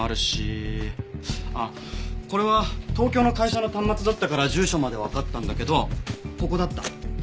あっこれは東京の会社の端末だったから住所までわかったんだけどここだった。